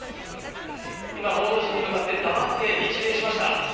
報道陣に向かって黙って一礼しました。